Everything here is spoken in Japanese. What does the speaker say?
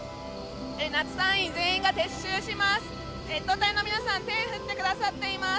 夏隊員全員が撤収します。